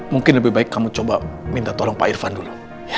mungkin lebih baik kamu coba minta tolong pak irfan dulu